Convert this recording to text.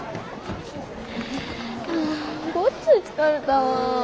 あごっつい疲れたわ。